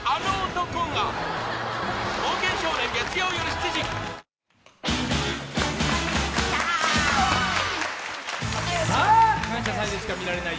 ２１「感謝祭」でしか見られない